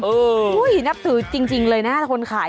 โอ้โหนับถือจริงเลยนะคนขาย